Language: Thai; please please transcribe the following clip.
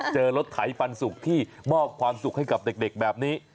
เจอรถไถปันสุกที่มอบความสุขให้กับเด็กแบบนี้